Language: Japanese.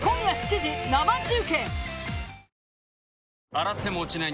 洗っても落ちない